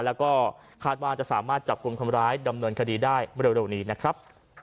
แล้วก็คาดว่าจะสามารถจับกลุ่มคนร้ายดำเนินคดีได้เร็วนี้นะครับ